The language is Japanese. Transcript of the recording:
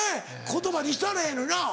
言葉にしたらええのにな。